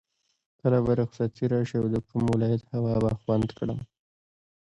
کله به رخصتي راشي او د کوم ولایت هوا به خوند کړم.